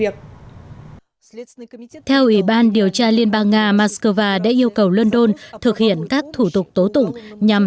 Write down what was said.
theo ủy ban điều tra liên bang nga moscow đã yêu cầu london thực hiện các thủ tục tố tụng nhằm